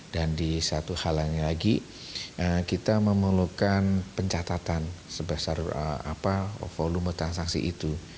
dan di satu hal lainnya lagi kita memerlukan pencatatan sebesar volume transaksi itu